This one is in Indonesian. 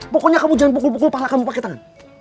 pokoknya kamu jangan pukul pukul pahala kamu pakai tangan